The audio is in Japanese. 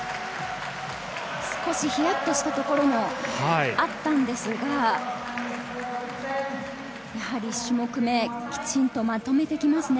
少しヒヤっとしたところもあったのですが、やはり１種目目、きちんとまとめてきますね。